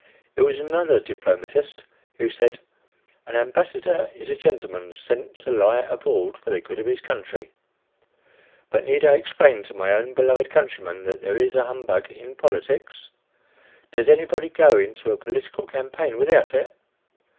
It was another diplomatist, who said "An ambassador is a gentleman sent to lie abroad for the good of his country." But need I explain to my own beloved countrymen that there is humbug in politics? Does anybody go into a political campaign without it?